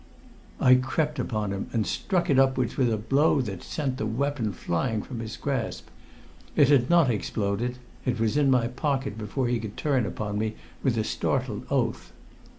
I crept upon him and struck it upwards with a blow that sent the weapon flying from his grasp. It had not exploded; it was in my pocket before he could turn upon me with a startled oath.